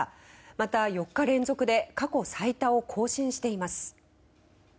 また、４日連続で過去最多を更新しています。